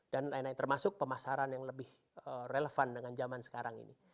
dan lain lain termasuk pemasaran yang lebih relevan dengan zaman sekarang ini